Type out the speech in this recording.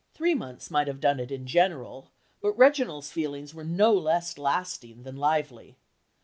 Three months might have done it in general, but Reginald's feelings were no less lasting than lively.